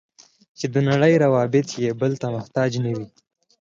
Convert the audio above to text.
چې د نړۍ روابط یې بل ته محتاج نه وي.